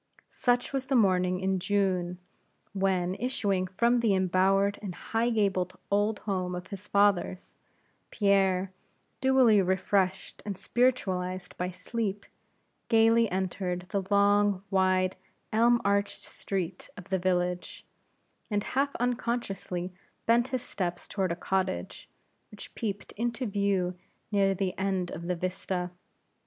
Such was the morning in June, when, issuing from the embowered and high gabled old home of his fathers, Pierre, dewily refreshed and spiritualized by sleep, gayly entered the long, wide, elm arched street of the village, and half unconsciously bent his steps toward a cottage, which peeped into view near the end of the vista.